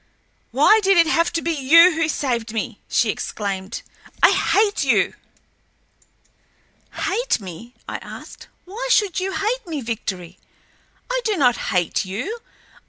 "Why did it have to be you who saved me!" she exclaimed. "I hate you!" "Hate me?" I asked. "Why should you hate me, Victory? I do not hate you.